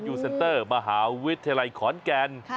เซ็นเตอร์มหาวิทยาลัยขอนแก่น